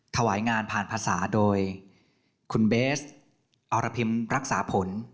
ถวายงานผ่านภาษาโดยคุณเบสอรพิมรักษาผล